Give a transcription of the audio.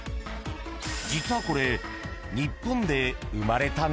［実はこれ］